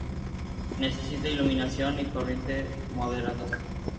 Necesita iluminación y corriente moderadas.